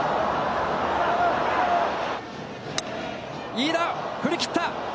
飯田、振り切った。